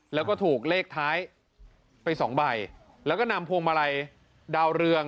แล้วก็ถูกเลขท้ายไปสองใบแล้วก็นำพวงมาลัยดาวเรือง